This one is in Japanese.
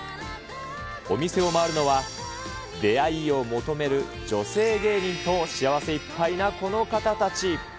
お店を回るのは、出会いを求める女性芸人と、幸せいっぱいなこの方たち。